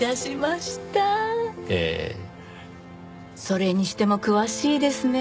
それにしても詳しいですね。